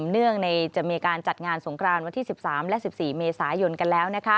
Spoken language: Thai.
เนื่องในจะมีการจัดงานสงครานวันที่๑๓และ๑๔เมษายนกันแล้ว